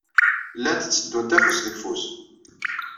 Llant tteddunt afus deg ufus.